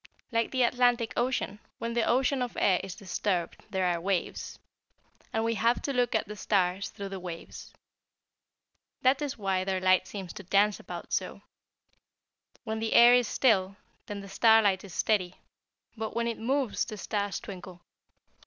"Like the Atlantic Ocean, when the ocean of air is disturbed there are waves, and we have to look at the stars through the waves. That is why their light seems to dance about so. When the air is still then the starlight is steady, but when it moves the stars twinkle.